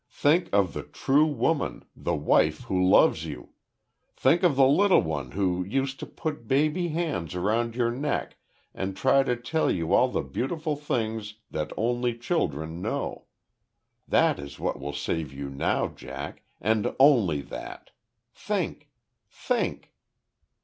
Think of the true woman the wife who loves you. Think of the little one who used to put baby hands around your neck and try to tell you all the beautiful things that only children know. That is what will save you now, Jack and only that! Think.... Think!"